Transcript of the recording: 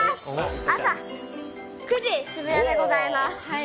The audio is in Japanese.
朝９時、渋谷でございます。